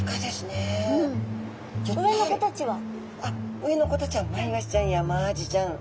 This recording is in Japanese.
上の子たちはマイワシちゃんやマアジちゃん。